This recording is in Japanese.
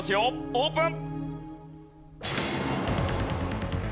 オープン！